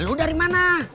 lu dari mana